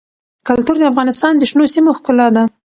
کلتور د افغانستان د شنو سیمو ښکلا ده.